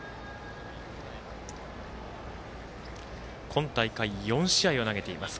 今大会４試合を投げています。